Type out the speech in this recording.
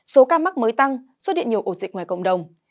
số ca mắc mới tăng xuất hiện nhiều ổ dịch ngoài cộng đồng